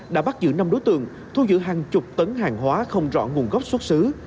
đã bắt giữ năm đối tượng thu giữ hàng chục tấn hàng hóa không rõ nguồn gốc xuất xứ